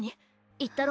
言ったろ？